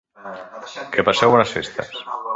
Que passeu bones festes!